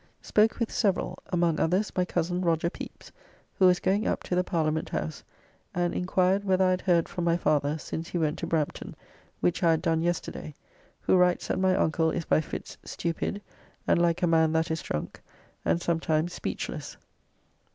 Spoke with several, among others my cozen Roger Pepys, who was going up to the Parliament House, and inquired whether I had heard from my father since he went to Brampton, which I had done yesterday, who writes that my uncle is by fits stupid, and like a man that is drunk, and sometimes speechless.